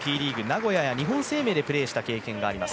名古屋や日本生命でプレーした経験もあります。